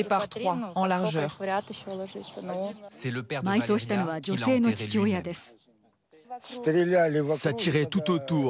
埋葬したのは女性の父親です。